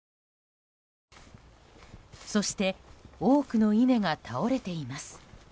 そして多くの稲が倒れています。